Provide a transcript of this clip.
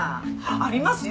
ありますよ。